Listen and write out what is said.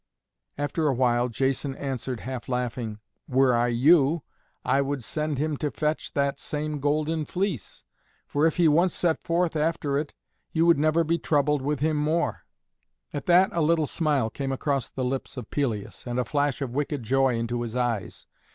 After a while, Jason answered half laughing, "Were I you, I would send him to fetch that same Golden Fleece, for if he once set forth after it, you would never be troubled with him more." At that a little smile came across the lips of Pelias, and a flash of wicked joy into his eyes.